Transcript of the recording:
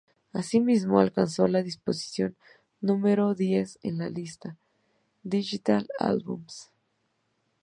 Asimismo, alcanzó la posición número diez en la lista "Digital Albums".